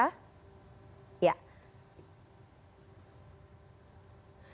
capaian kinerja kpk jilid iv